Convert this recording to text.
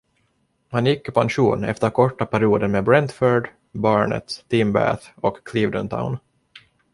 Han gick i pension efter korta perioden med Brentford, Barnet, Team Bath och Clevedon Town.